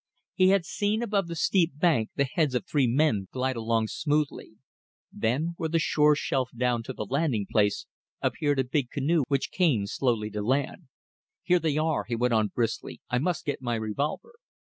He had seen above the steep bank the heads of three men glide along smoothly. Then, where the shore shelved down to the landing place, appeared a big canoe which came slowly to land. "Here they are," he went on, briskly. "I must get my revolver."